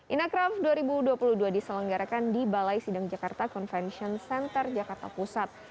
inacraft dua ribu dua puluh dua diselenggarakan di balai sidang jakarta convention center jakarta pusat